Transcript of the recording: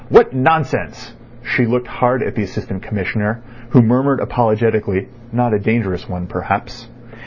What nonsense." She looked hard at the Assistant Commissioner, who murmured apologetically: "Not a dangerous one perhaps."